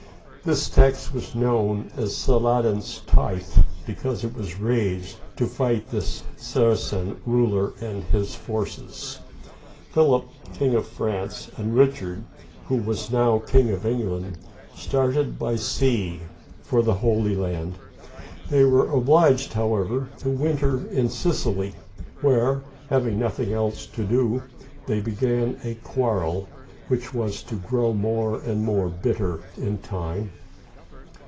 This tax is known as " Saladin's Tithe," because it was raised to fight this Sara cen ruler and his forces. Philip, King of France, and Richard — who was now King of England — started by sea for the Holy Land. They were obliged, however, to winter in Sicily, where, having nothing else to do, they began a quarrel, wl^ich was to grow more and more bitter in time.